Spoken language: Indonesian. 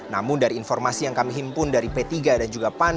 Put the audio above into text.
namun dari informasi yang kami himpun dari p tiga dan juga pan